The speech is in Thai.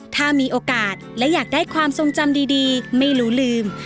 ถ้ามีโอกาสและอยากได้ความทรงจำดีไม่รู้ลืม